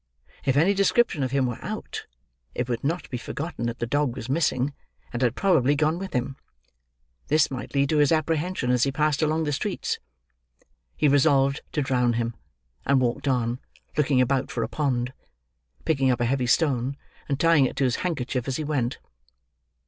If any description of him were out, it would not be forgotten that the dog was missing, and had probably gone with him. This might lead to his apprehension as he passed along the streets. He resolved to drown him, and walked on, looking about for a pond: picking up a heavy stone and tying it to his handkerchief as he went.